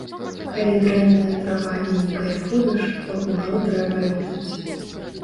Калі дрэнная трава і не кайфуеш, то ўжо трэба лётаць.